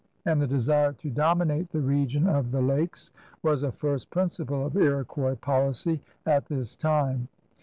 And the desire to dominate the region of the lakes was a first principle of Iroquois policy at this time.